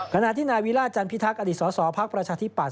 ขณะที่นายวิราชจันทร์พิทักษ์อดีตสอสอภัคดิ์ประชาธิปัตย์